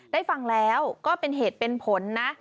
ได้ฟังแล้วก็เป็นเหตุเป็นผลนะ